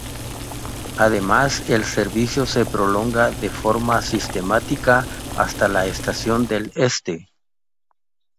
Además el servicio se prolonga de forma sistemática hasta la estación del Este.